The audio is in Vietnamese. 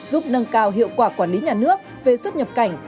giúp nâng cao hiệu quả quản lý nhà nước về xuất nhập cảnh